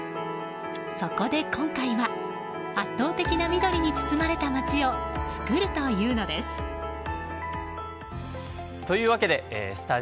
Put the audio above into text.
そこで今回は圧倒的な緑に包まれた街を作るというのです。